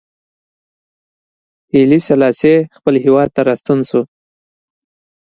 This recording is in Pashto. هیلي سلاسي خپل هېواد ته راستون شو.